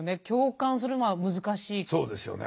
そうですよね。